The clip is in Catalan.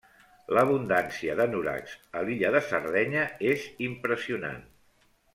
L'abundància de nurags a l'illa de Sardenya és impressionant.